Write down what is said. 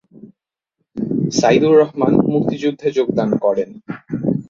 সাইদুর রহমান মুক্তিযুদ্ধে যোগদান করেন।